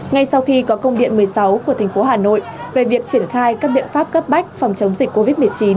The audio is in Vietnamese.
ngay sau khi có công điện một mươi sáu của thành phố hà nội về việc triển khai các biện pháp cấp bách phòng chống dịch covid một mươi chín